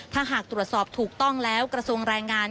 ถ้าหากตรวจสอบถูกต้องแล้วกระทรวงแรงงาน